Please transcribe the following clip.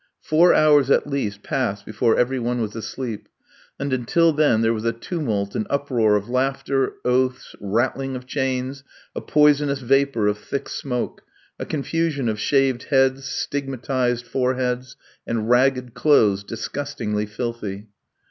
Four hours at least passed before every one was asleep, and, until then, there was a tumult and uproar of laughter, oaths, rattling of chains, a poisonous vapour of thick smoke; a confusion of shaved heads, stigmatised foreheads, and ragged clothes disgustingly filthy.